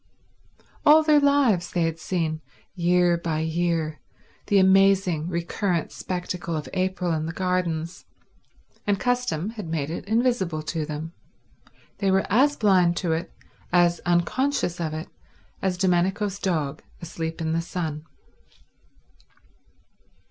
All their lives they had seen, year by year, the amazing recurrent spectacle of April in the gardens, and custom had made it invisible to them. They were as blind to it, as unconscious of it, as Domenico's dog asleep in the sun.